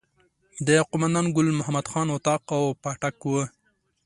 د قوماندان ګل محمد خان اطاق او پاټک وو.